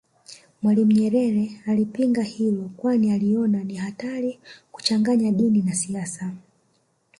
Mwalimu Nyerere alipinga hilo kwani aliona ni hatari kuchanganya dini na siasa